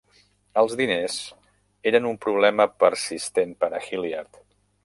Els diners era un problema persistent per a Hilliard.